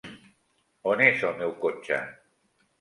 On és el meu cotxe?